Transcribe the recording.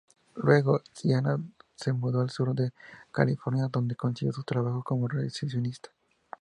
Luego, Gianna se mudó al sur de California, donde consiguió un trabajo como recepcionista.